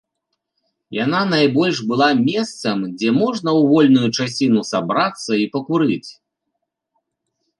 Яна найбольш была месцам, дзе можна ў вольную часіну сабрацца і пакурыць.